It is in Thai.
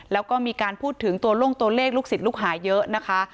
แล้วก็มีการพูดถึงตัวลงตัวเลขลูกศิษย์ลูกหาเยอะนะคะ